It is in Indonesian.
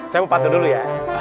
saya mempatuhi dulu ya